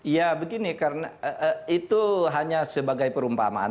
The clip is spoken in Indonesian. ya begini karena itu hanya sebagai perumpamaan